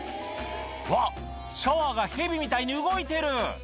うわシャワーがヘビみたいに動いてる！